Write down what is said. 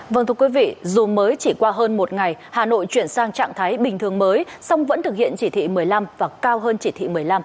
vâng thưa quý vị dù mới chỉ qua hơn một ngày hà nội chuyển sang trạng thái bình thường mới song vẫn thực hiện chỉ thị một mươi năm và cao hơn chỉ thị một mươi năm